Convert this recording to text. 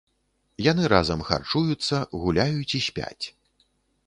Яны разам харчуюцца, гуляюць і спяць.